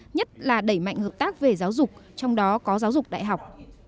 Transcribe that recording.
nhất là đẩy mạnh hợp tác về giáo dục trong đó có giáo dục đại học